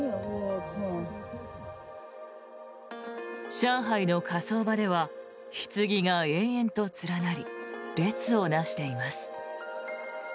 上海の火葬場ではひつぎが延々と連なり列を成しています。